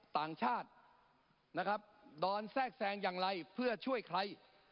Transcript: ต่างชาตินะครับโดนแทรกแซงอย่างไรเพื่อช่วยใคร